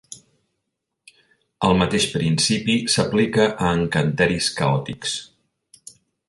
El mateix principi s'aplica a encanteris caòtics.